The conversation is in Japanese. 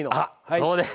あそうです。